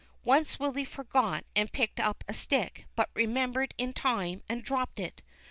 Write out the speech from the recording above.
Once Willy forgot and picked up a stick, but remembered in time, and dropped it.